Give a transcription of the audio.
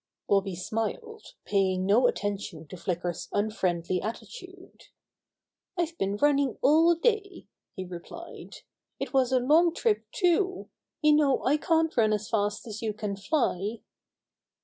Bobby smiled, paying no attention to Flick er's unfriendly attitude. "I've been running all day," he replied. "It was a long trip, too. You know I can't run as fast as you can j9y."